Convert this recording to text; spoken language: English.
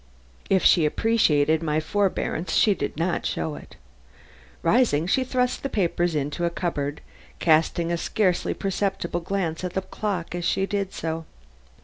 If she appreciated my forbearance she did not show it. Rising, she thrust the papers into a cupboard, casting a scarcely perceptible glance at the clock as she did so.